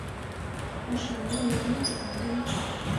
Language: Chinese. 何首乌有臃肿的根